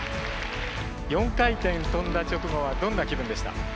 ４回転跳んだ直後はどんな気分でした？